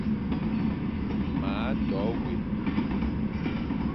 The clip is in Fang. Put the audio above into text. Ma to wé,